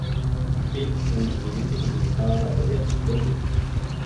Phil en sus inicios utilizaba baterías Ludwig.